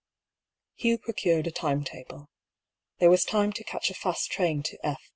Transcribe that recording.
Hugh procured a time table. There was time to catch a fast train to F .